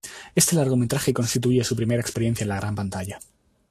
Este largometraje constituye su primera experiencia en la gran pantalla.